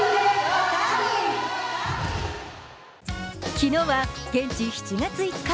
昨日は現地７月５日。